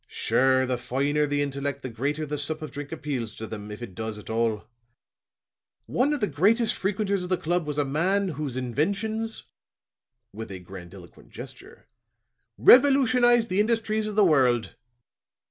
Sure, the finer the intellect, the greater the sup of drink appeals to them, if it does at all. One of the greatest frequenters of the club was a man whose inventions," with a grandiloquent gesture, "revolutionized the industries of the world.